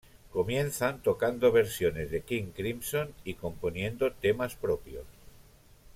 Comienzan tocando versiones de King Crimson y componiendo temas propios.